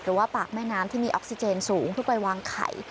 หรือว่าปากแม่น้ำที่มีออกซิเจนสูงเพื่อไปวางไข่